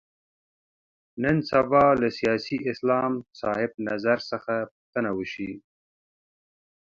نن سبا له سیاسي اسلام صاحب نظر څخه پوښتنه وشي.